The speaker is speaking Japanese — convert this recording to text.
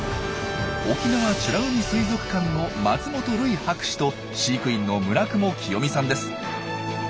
沖縄美ら海水族館の松本瑠偉博士と飼育員の村雲清美さんです。